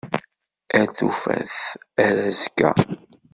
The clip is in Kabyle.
Ar tufat. Ar azekka.